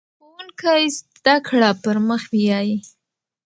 ښوونکی زده کړه پر مخ بیايي.